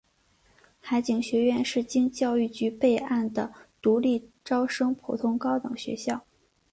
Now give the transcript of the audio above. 海警学院是经教育部备案的独立招生普通高等学校。